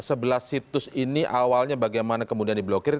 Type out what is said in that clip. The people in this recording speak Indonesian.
sebelah situs ini awalnya bagaimana kemudian diblokir